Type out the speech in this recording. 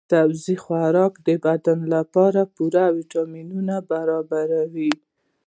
سبزي خوراک د بدن لپاره پوره ويټامینونه برابروي.